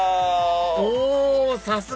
おさすが！